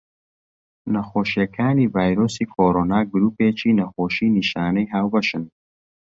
نەخۆشیەکانی ڤایرۆسی کۆڕۆنا گرووپێکی نەخۆشی نیشانەی هاوبەشن.